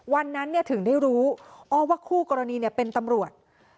วันนั้นถึงได้รู้ว่าคู่กรณีเป็นตำรวจ